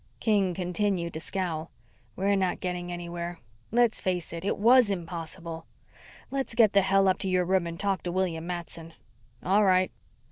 King continued to scowl. "We're not getting anywhere. Let's face it. It was impossible. Let's get the hell up to your room and talk to William Matson." "All right."